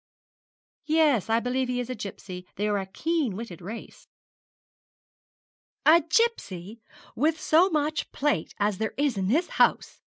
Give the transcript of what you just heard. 'Yes; I believe he is a gipsy. They are a keen witted race.' 'A gipsy! and with so much plate as there is in this house!'